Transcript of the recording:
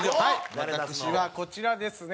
私はこちらですね。